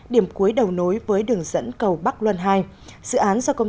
điểm cuối đầu nối với đường dẫn cầu bắc luân hai